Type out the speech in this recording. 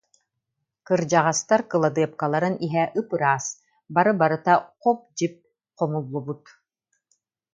Кырдьаҕастар кыладыапкаларын иһэ ып-ыраас, бары барыта хоп-дьип хомуллубут